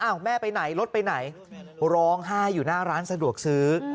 แม่ไปไหนรถไปไหนร้องไห้อยู่หน้าร้านสะดวกซื้อ